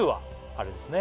あれですね